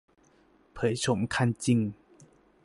เผยโฉมคันจริง